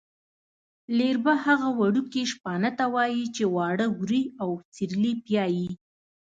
لېربه هغه وړکي شپانه ته وايي چې واړه وري او سېرلی پیایي.